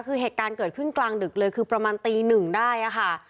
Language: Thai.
คือเหตุการณ์เกิดขึ้นกลางดึกเลยคือประมาณตีหนึ่งได้ค่ะ